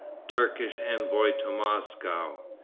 Turkish Envoy To Moscow.